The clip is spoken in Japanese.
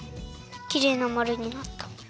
きれいなまるになった。